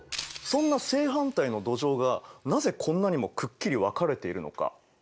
そんな正反対の土壌がなぜこんなにもくっきり分かれているのか。